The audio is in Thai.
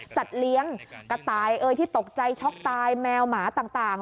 สัตว์เลี้ยงกระตายเอ่ยที่ตกใจช็อกตายแมวหมาต่าง